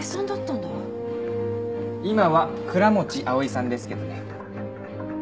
今は倉持碧さんですけどね。